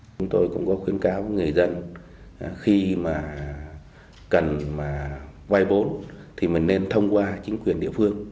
chúng tôi cũng có khuyến cáo người dân khi mà cần mà quay bốn thì mình nên thông qua chính quyền địa phương